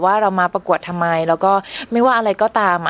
ว่าเรามาประกวดทำไมแล้วก็ไม่ว่าอะไรก็ตาม